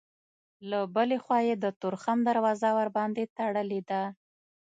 له بلې خوا یې د تورخم دروازه ورباندې تړلې ده.